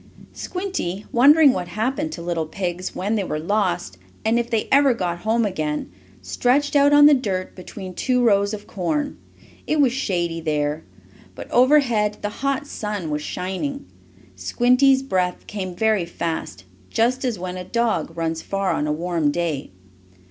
Squinty, wondering what happened to little pigs when they were lost, and if they ever got home again, stretched out on the dirt between two rows of corn. It was shady there, but over head the hot sun was shining. Squinty's breath came very fast, just as when a dog runs far on a warm day.